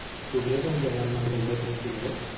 Podries engegar-me el robot aspirador?